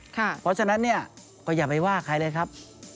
เพราะฉะนั้นเนี่ยก็อย่าไปว่าใครเลยครับ